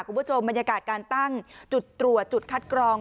คุณผู้ชมบรรยากาศการตั้งจุดตรวจจุดคัดกรอง